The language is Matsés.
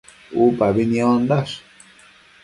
Upabi niondash